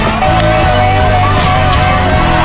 เร็วเร็วเร็ว